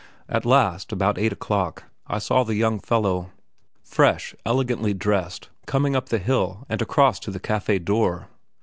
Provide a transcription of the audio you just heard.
At last, about eight o'clock, I saw the young fellow, fresh, elegantly dressed, coming up the hill and across to the cafe door.